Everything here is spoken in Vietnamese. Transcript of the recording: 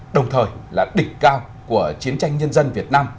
đồng thời là đỉnh cao của chiến tranh nhân dân việt nam